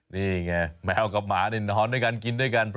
นี่ไงแมวกับหมานี่นอนด้วยกันกินด้วยกัน